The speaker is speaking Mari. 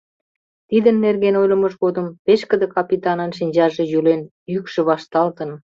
Тидын нерген ойлымыж годым пешкыде капитанын шинчаже йӱлен, йӱкшӧ вашталтын.